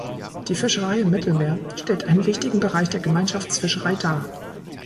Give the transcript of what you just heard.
Die Fischerei im Mittelmeer stellt einen wichtigen Bereich der Gemeinschaftsfischerei dar.